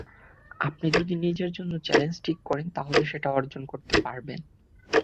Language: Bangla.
আপনি যদি নিজের জন্য চ্যালেঞ্জ ঠিক করেন, তাহলে সেটা অর্জন করতে পারবেন।